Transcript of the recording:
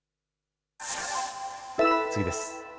次です。